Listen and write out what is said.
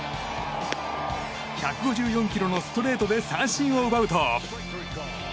１５４キロのストレートで三振を奪うと。